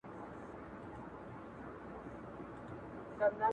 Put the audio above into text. د دوو لومړنيو ارزښتونو